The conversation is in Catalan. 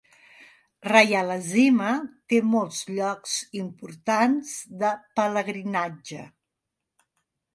Rayalaseema té molts llocs importants de pelegrinatge.